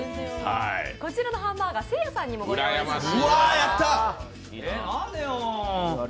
こちらのハンバーガー、せいやさんにもご用意しました。